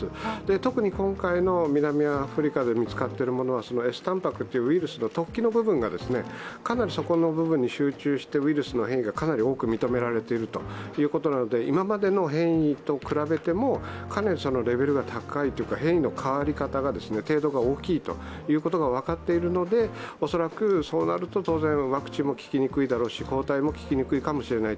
特に今回の南アフリカで見つかっているものはＳたんぱくというウイルスの突起の部分が、かなりそこの部分に集中してウイルスの変異がかなり多く認められているということなので今までの変異と比べても、かなりレベルが高いというか変異の変わり方、程度が大きいことが分かっているので、恐らく当然、ワクチンも効きにくいだろうし抗体も効きにくいかもしれない。